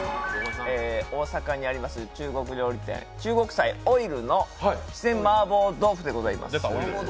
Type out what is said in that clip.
大阪にあります中国料理店中国菜オイルの四川麻婆豆腐でございます。